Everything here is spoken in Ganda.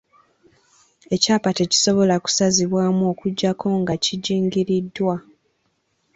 Ekyapa tekisobola kusazibwamu okuggyako nga kijingiriddwa.